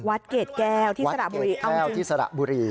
วัดเกดแก่วที่สระบุรีชื่อวัดเกดแก่วที่สระบุรี